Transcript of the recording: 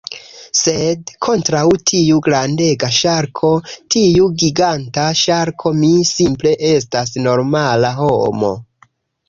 Sed kontraŭ tiu grandega ŝarko, tiu giganta ŝarko, mi simple estas normala homo.